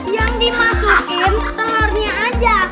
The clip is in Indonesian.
yang dimasukin telurnya aja